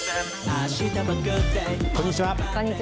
こんにちは。